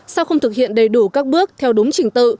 sao không thực hiện đầy đủ các bước theo đúng trình tự